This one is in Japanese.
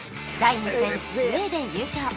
第２戦スウェーデン優勝